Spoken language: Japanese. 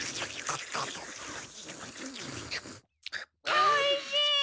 おいしい！